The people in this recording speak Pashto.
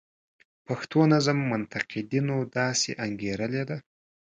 پښتو نظم منتقدینو داسې انګیرلې ده.